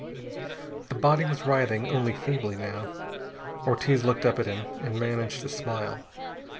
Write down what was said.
The body was writhing only feebly, now. Ortiz looked up at him, and managed a smile.